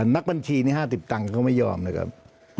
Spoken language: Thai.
นักบัญชีนี้๕๐ตังค์เขาไม่ยอมนะครับ